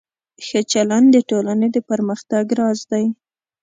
ښه چلند د ټولنې د پرمختګ راز دی.